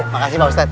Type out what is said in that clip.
makasih pak ustadz